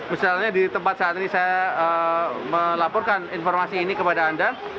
misalnya di tempat saat ini saya melaporkan informasi ini kepada anda